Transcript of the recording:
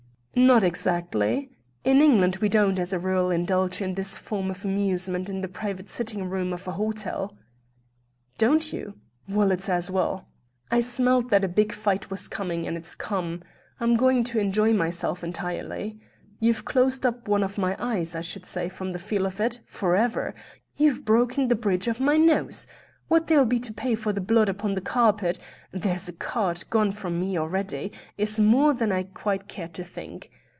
"Not exactly. In England we don't, as a rule, indulge in this form of amusement in the private sitting room of an hotel." "Don't you? Well, it's as well. I smelt that a big fight was coming, and it's come. I'm going to enjoy myself entirely. You've closed up one of my eyes, I should say, from the feel of it, for ever. You've broken the bridge of my nose; what there'll be to pay for the blood upon the carpet there's a quart gone from me already is more than I quite care to think.